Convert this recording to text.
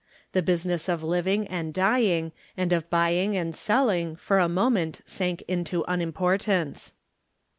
The business of living and dying and of buying and selling for a moment sank to unimportance.